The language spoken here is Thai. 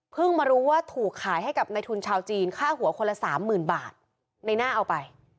มารู้ว่าถูกขายให้กับในทุนชาวจีนค่าหัวคนละสามหมื่นบาทในหน้าเอาไป